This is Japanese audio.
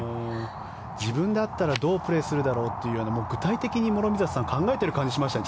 自分だったらどうプレーするだろうと具体的に諸見里さん考えている感じがしましたね。